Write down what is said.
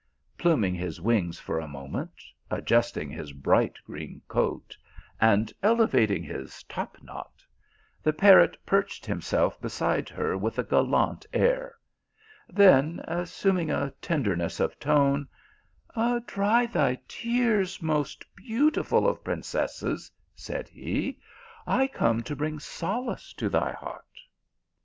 Pluming his wings for a moment, adjusting his bright green coat, and elevating his topknot, the parrot perched himself beside her with a gallant air ; then assuming a tenderness of tone, " Dry thy tears, most beautiful of princesses," said he, " I come to bring solace to thy heart."